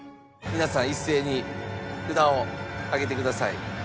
皆さん一斉に札を上げてください。